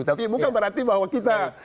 tapi bukan berarti bahwa kita